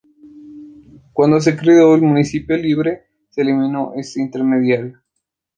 Cuando se creó el municipio libre, se eliminó este intermediario.